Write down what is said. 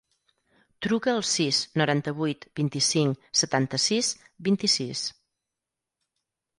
Truca al sis, noranta-vuit, vint-i-cinc, setanta-sis, vint-i-sis.